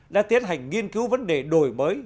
đã tiến hành nghiên cứu vấn đề đổi mới